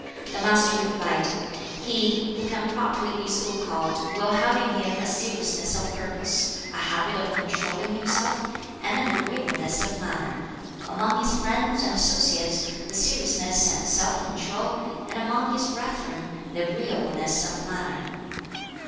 The master replied, "He who can properly be so called will have in him a seriousness of purpose, a habit of controlling himself, and an agreeableness of manner: among his friends and associates the seriousness and the self control, and among his brethren the agreeableness of manner."